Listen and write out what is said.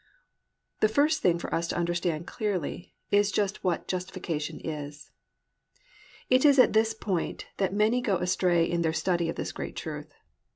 The first thing for us to understand clearly is just what justification is. It is at this point that many go astray in their study of this great truth.